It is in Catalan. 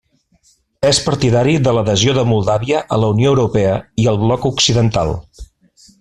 És partidari de l'adhesió de Moldàvia a la Unió Europea i al bloc occidental.